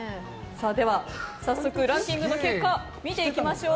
早速、ランキングの結果見ていきましょう。